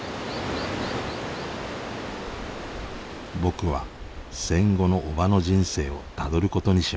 僕は戦後のおばの人生をたどることにしました。